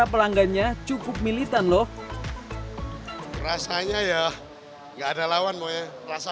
yang bisa melihatnya cukup militan loh rasanya ya nggak ada lawan mau ya terasa